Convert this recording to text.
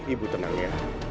ibu tenang ya